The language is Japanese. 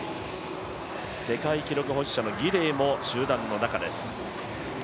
世界記録保持者のギデイも集団の中です。